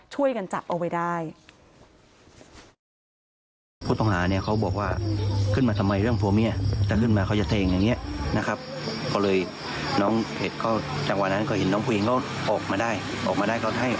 ช่วยกันจับเอาไว้ได้